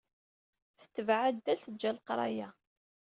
Tetbeɛ addal, teǧǧa leqraya.